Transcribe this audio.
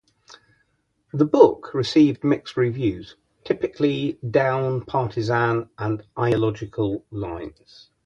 The book received mixed reviews, typically down partisan and ideological lines.